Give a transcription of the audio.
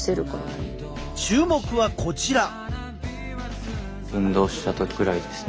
注目はこちら！